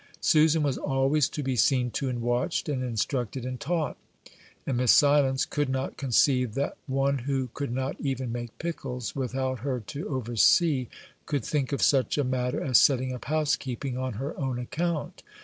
Susan was always to be seen to, and watched, and instructed, and taught; and Miss Silence could not conceive that one who could not even make pickles, without her to oversee, could think of such a matter as setting up housekeeping on her own account.